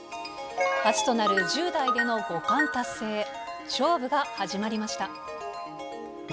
初となる１０代での五冠達成へ、勝負が始まりました。